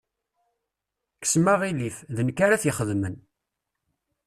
Kksem aɣilif, d nekk ara t-ixedmen.